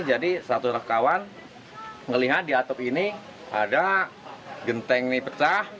jadi satu kawan melihat di atap ini ada genteng ini pecah